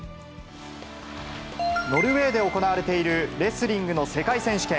ノルウェーで行われているレスリングの世界選手権。